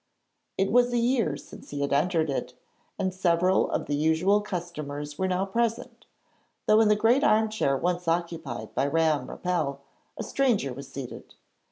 It was a year since he had entered it, and several of the usual customers were now present, though in the great armchair once occupied by Ramm Rapelye a stranger was seated.